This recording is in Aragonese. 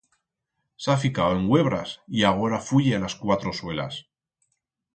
S'ha ficau en uebras y agora fuye a las cuatro suelas.